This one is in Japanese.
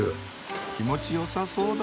気持ちよさそうだ。